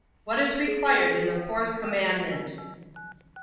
What is required in the fourth commandment?